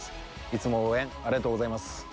いつも応援ありがとうございます。